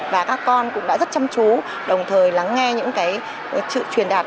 và các con cũng đã rất chăm chú đồng thời lắng nghe những cái truyền đạt